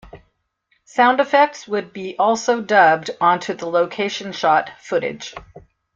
Sound effects would be also dubbed onto the location-shot footage.